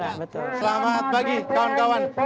rangga saya berada